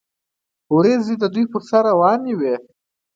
وریځې د دوی پر سر روانې وې.